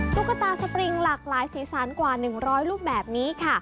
ตุ๊กตาสปริงหลากหลายสีสันกว่า๑๐๐รูปแบบนี้ค่ะ